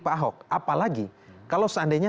pak ahok apalagi kalau seandainya